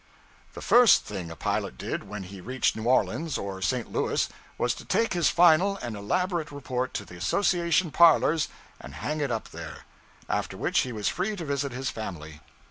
The first thing a pilot did when he reached New Orleans or St. Louis was to take his final and elaborate report to the association parlors and hang it up there, after which he was free to visit his family.